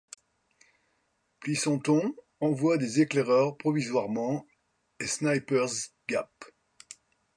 Pleasonton envoie des éclaireurs provisoirement et Snicker's Gap.